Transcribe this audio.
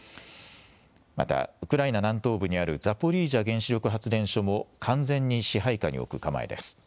また、ウクライナ南東部にあるザポリージャ原子力発電所も完全に支配下に置く構えです。